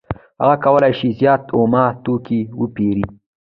هغه کولای شي زیات اومه توکي وپېري